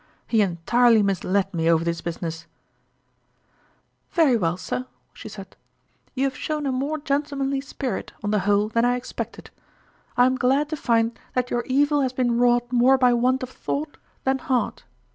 He entirely misled me over this business !"" Very well, sir," she said ;" you have shown a more gentlemanly spirit, on the whole, than I expected. I am glad to find that your evil has been wrought more by want of thought than heart.